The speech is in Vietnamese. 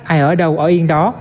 ai ở đâu ở yên đó